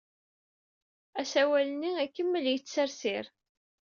Asawal-nni ikemmel yettsersir.